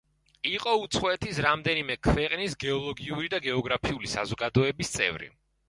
იყო უცხოეთის რამდენიმე ქვეყნის გეოლოგიური და გეოგრაფიული საზოგადოების წევრი.